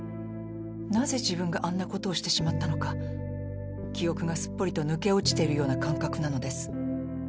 なぜ自分があんなことをしてしまったのか記憶がすっぽりと抜け落ちてるような感覚なのです。